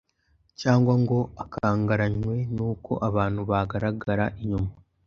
cyangwa ngo akangaranywe n’uko abantu bagaragara inyuma